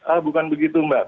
ah bukan begitu mbak